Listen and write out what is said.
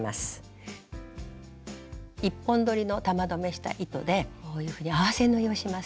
１本どりの玉留めした糸でこういうふうに合わせ縫いをします。